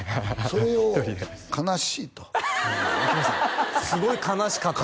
それを「悲しい」と「すごい悲しかった」